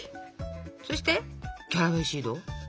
そしてキャラウェイシード。